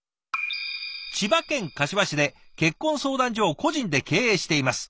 「千葉県柏市で結婚相談所を個人で経営しています。